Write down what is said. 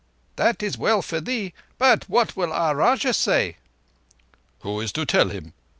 "That is well for thee, but what will our Rajah say?" "Who is to tell him?